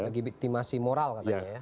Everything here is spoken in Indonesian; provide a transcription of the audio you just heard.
lagi optimasi moral katanya ya